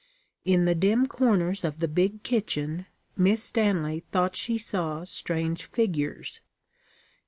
In the dim corners of the big kitchen, Miss Stanley thought she saw strange figures.